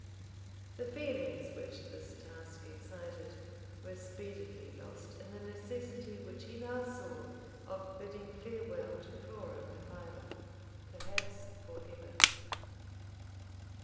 The feelings which this task excited were speedily lost in the necessity which he now saw of bidding farewell to Flora Mac Ivor, perhaps for ever.